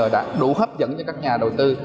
đã đủ hấp dẫn cho các nhà đầu tư